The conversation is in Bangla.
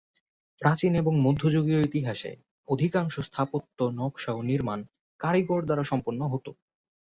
প্রাচীন এবং মধ্যযুগীয় ইতিহাসে অধিকাংশ স্থাপত্য নকশা ও নির্মাণ কারিগর দ্বারা সম্পন্ন হতো।